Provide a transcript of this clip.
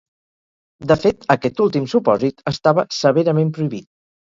De fet, aquest últim supòsit estava severament prohibit.